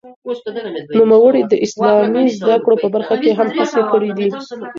نوموړي د اسلامي زده کړو په برخه کې هم هڅې کړې دي.